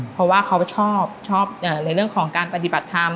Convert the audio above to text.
เพราะว่าเขาชอบชอบในเรื่องของการปฏิบัติธรรม